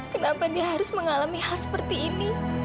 kenapa dia harus mengalami hal seperti ini